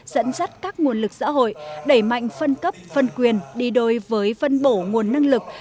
dẫn dắt các nguồn lực xã hội đẩy mạnh phân cấp phân quyền đi đôi với vân bổ nguồn năng lực